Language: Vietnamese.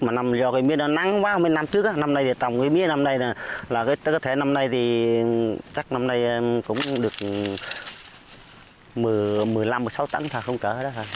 mà do cây mía nó nắng quá năm trước năm nay thì trồng cây mía năm nay là cơ thể năm nay thì chắc năm nay cũng được một mươi năm một mươi sáu tấn không cỡ